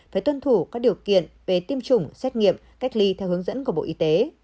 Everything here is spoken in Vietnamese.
phải tuân thủ các điều kiện về tiêm chủng xét nghiệm cách ly theo hướng dẫn của bộ y tế